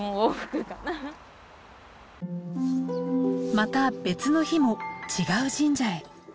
また別の日も違う神社へ。